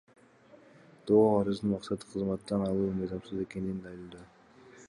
Доо арыздын максаты — кызматтан алуу мыйзамсыз экенин далилдөө.